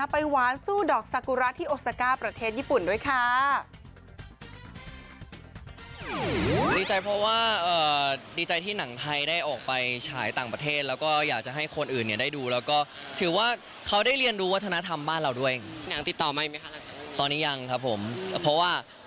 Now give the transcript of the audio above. ไปหวานสู้ดอกซากุระที่โอซาก้าประเทศญี่ปุ่นด้วยค่ะ